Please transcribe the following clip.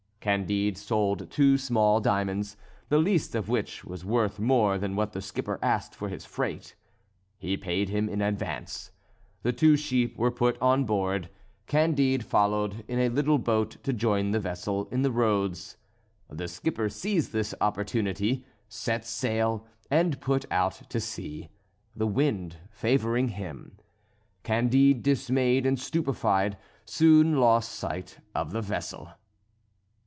Candide sold two small diamonds, the least of which was worth more than what the skipper asked for his freight. He paid him in advance. The two sheep were put on board. Candide followed in a little boat to join the vessel in the roads. The skipper seized his opportunity, set sail, and put out to sea, the wind favouring him. Candide, dismayed and stupefied, soon lost sight of the vessel.